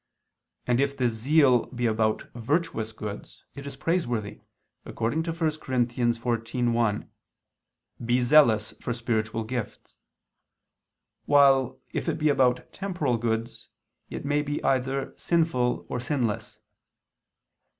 And if this zeal be about virtuous goods, it is praiseworthy, according to 1 Cor. 14:1: "Be zealous for spiritual gifts": while, if it be about temporal goods, it may be either sinful or sinless.